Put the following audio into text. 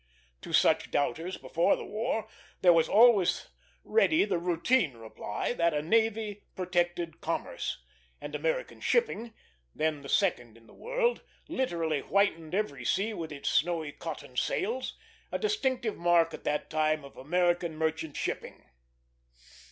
To such doubters, before the war, there was always ready the routine reply that a navy protected commerce; and American shipping, then the second in the world, literally whitened every sea with its snowy cotton sails, a distinctive mark at that time of American merchant shipping.